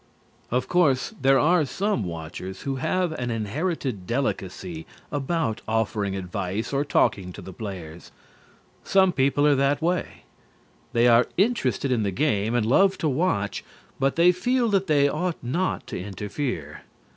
Of course, there are some watchers who have an inherited delicacy about offering advice or talking to the players. Some people are that way. They are interested in the game, and love to watch but they feel that they ought not to interfere.